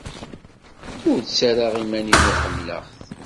Ur ttarraɣ iman-inu ḥemmleɣ-t.